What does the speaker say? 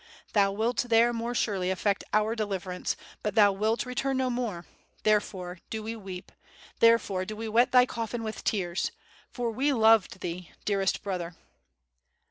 Thou wilt there more surely effect our deliverance, but thou wilt return no more; therefore do we weep, therefore WITH FIRE AND SWORD. yy^ do we wet thy eofl&n with tears, for we loved thee, dearest brother."